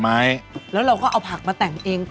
คลุกต้องคลุกให้มันเข้ากัน